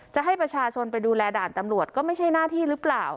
จะให้ประชาชนไปดูแลด่านตำรวจก็ไม่ใช่หน้าที่หรือเปล่า